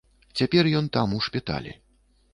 Цяпер ён там у шпіталі.